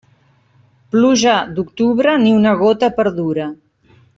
Pluja d'octubre, ni una gota perdura.